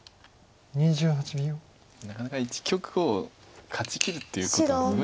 なかなか一局を勝ちきるっていうことは。